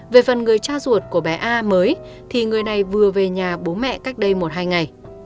về phần người cha ruột của bé a mới thì người này vừa về nhà bố mẹ cách đây một hai ngày